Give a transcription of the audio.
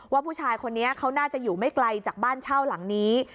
ว่าผู้ชายคนนี้เขาน่าจะอยู่ไม่ไกลจากบ้านเช่าหลังนี้